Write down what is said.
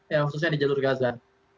khususnya di jalur gaza